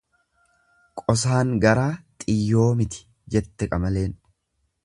Qosaan garaa xiyyoo miti jette qamaleen.